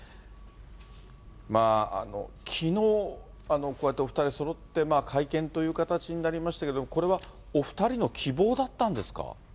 きのう、こうやってお２人そろって会見という形になりましたけども、これはお２人の希望だったんですか。